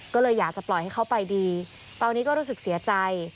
ก็เลยอยากจะปล่อยให้เขาไปดีตอนนี้ก็รู้สึกเสียใจ